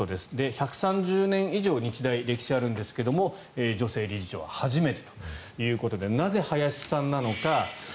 １３０年以上日大は歴史があるんですが女性理事長は初めてということでなぜ、林さんなのか。